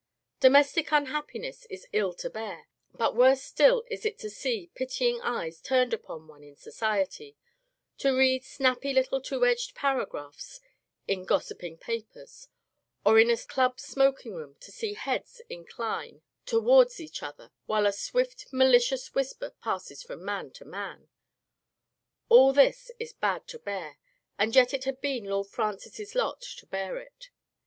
Domestic unhappiness is ill to bear, but worse still is it to see pitying eyes turned upon one in society, to read snappy little two edged paragraphs in gossiping papers, or in a club smoking room to see heads incline toward 41 Digitized by Google 42 THE FATE OF FENELLA, each other while a swift malicious whisper passes from man to man. All this is bad to bear, and yet it had been Lord Francis's lot to bear it.